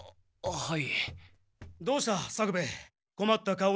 はい。